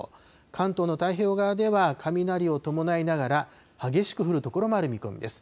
関東の太平洋側では雷を伴いながら、激しく降る所もある見込みです。